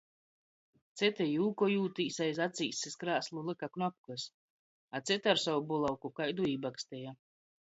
Cyti jūkojūtīs aizacīs iz krāslu lyka knopkys, a cyti ar sovu bulavku kaidu ībaksteja.